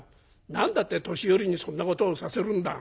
何だって年寄りにそんなことをさせるんだ。